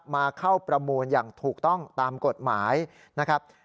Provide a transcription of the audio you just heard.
มาเข้าประมูลอย่างถูกต้องตามกฎหมายนะครับ